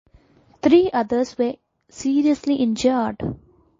Three others were seriously injured.